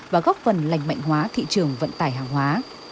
và góp phần lành mạnh hóa thị trường vận tải hàng hóa